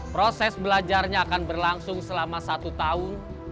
proses belajarnya akan berlangsung selama satu tahun